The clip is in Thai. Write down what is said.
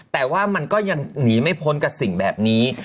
แต่ว่ามันก็ยังหนีไม่พ้นกับสิ่งแบบนี้